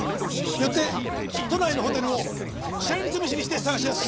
よって都内のホテルをしらみ潰しにして捜し出す！